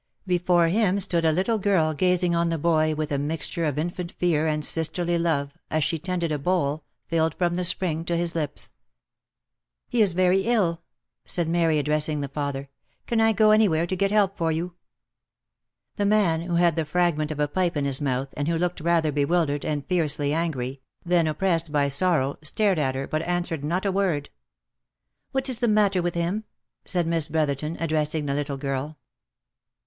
Be fore him stood a little girl gazing on the boy with a mixture of infant fear and sisterly love, as she tended a bowl, filled from the spring, to his lips. " He is very ill I" said Mary, addressing the father, " can I go any where to get help for you V* The man, who had the fragment of a pipe in his mouth, and who looked rather bewildered, and fiercely angry, than oppressed by sor row, stared at her, but answered not a word. " What is the matter with him?" said Miss Brotherton, addressing the little girl.